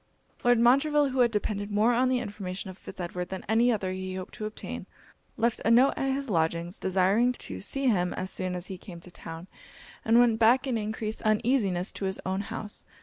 Lord Montreville, who had depended more on the information of Fitz Edward than any other he hoped to obtain, left a note at his lodgings desiring to see him as soon as he came to town, and went back in encreased uneasiness to his own house.